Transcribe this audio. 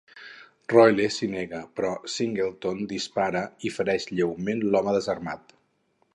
Royle s'hi nega, però Singleton dispara i fereix lleument l'home desarmat.